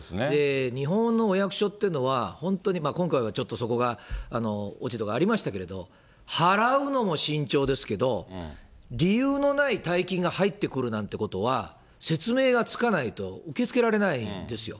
日本のお役所っていうのは、本当に今回はちょっとそこが落ち度がありましたけれど、払うのも慎重ですけれども、理由のない大金が入ってくるなんてことは、説明がつかないと受け付けられないんですよ。